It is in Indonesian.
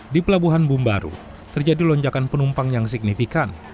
di pelabuhan bum baru terjadi lonjakan penumpang yang signifikan